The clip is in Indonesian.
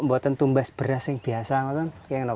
pintan tumbas beras yang biasa itu bagaimana